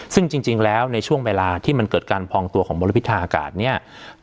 ซึ่งจริงแล้วในช่วงเวลาที่มันเกิดการพองตัวของมลพิษทางอากาศเนี่ย